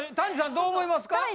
谷さんどう思いますか？